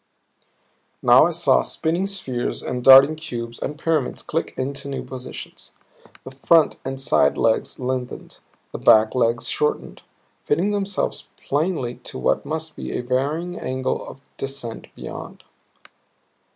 Now I saw spinning spheres and darting cubes and pyramids click into new positions. The front and side legs lengthened, the back legs shortened, fitting themselves plainly to what must be a varying angle of descent beyond.